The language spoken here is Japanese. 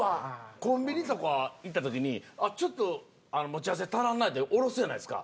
コンビニとか行った時にちょっと持ち合わせ足らんないうて下ろすじゃないですか。